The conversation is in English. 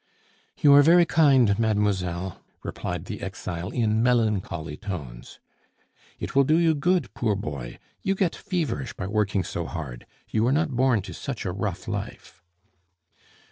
"You are very kind, mademoiselle," replied the exile in melancholy tones. "It will do you good, poor boy. You get feverish by working so hard; you were not born to such a rough life."